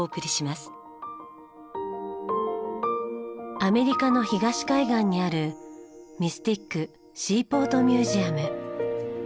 アメリカの東海岸にあるミスティックシーポートミュージアム。